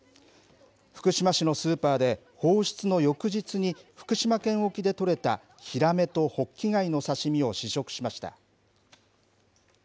福島市のスーパーで、放出の翌日に福島県沖で取れたヒラメとホッキ貝の刺身を試食しました。